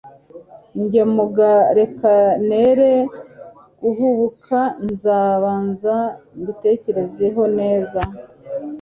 Njye muga reka nere guhubuka nza banze mbitekerezeho neza